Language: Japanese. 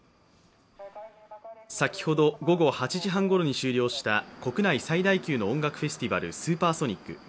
先ほど午後８時半ごろに終了した国内最大級の音楽フェスティバルＳＵＰＥＲＳＯＮＩＣ。